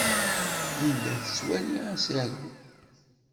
Linda ad twali asaru.